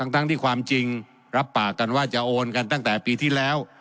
ทั้งที่ความจริงรับปากกันว่าจะโอนกันตั้งแต่ปีที่แล้ว